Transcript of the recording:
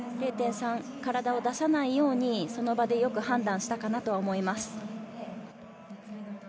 ３体を出さないようにその場でよく判断したかなと思います。